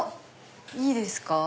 いいですか？